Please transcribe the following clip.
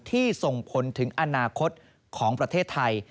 ส่งผลถึงอนาคตของประเทศไทย